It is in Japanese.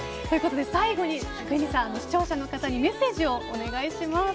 最後にＢＥＮＩさん視聴者の方にメッセージをお願いします。